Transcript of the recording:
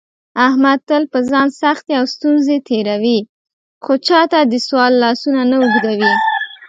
احمد تل په ځان سختې او ستونزې تېروي، خو چاته دسوال لاسونه نه اوږدوي.